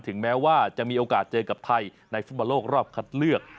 แม้ว่าจะมีโอกาสเจอกับไทยในฟุตบอลโลกรอบคัดเลือก